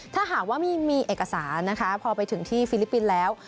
ถ้าหากว่ามีเอกสารนะคะพอไปถึงที่ฟิลิปปินส์แล้ว